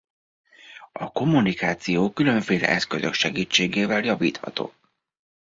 A kommunikáció különféle eszközök segítségével javítható.